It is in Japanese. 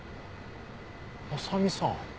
浅見さん。